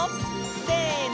せの！